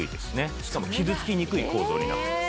しかも傷つきにくい構造になってます。